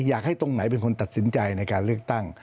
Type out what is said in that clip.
อยากให้ตรงไหนเป็นคนตัดสินใจในการเลือกตั้ง